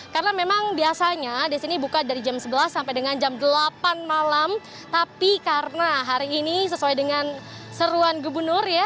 karena memang biasanya disini buka dari jam sebelas sampai dengan jam delapan malam tapi karena hari ini sesuai dengan seruan gubernur ya